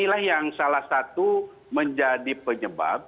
inilah yang salah satu menjadi penyebab